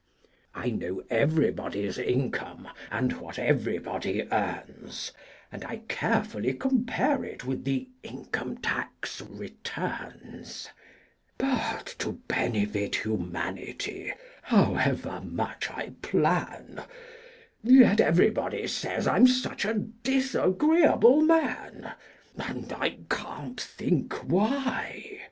I know everybody's income and what everybody earns, And I carefully compare it with the income tax returns; But to benefit humanity, however much I plan, Yet everybody says I'm such a disagreeable man! And I can't think why!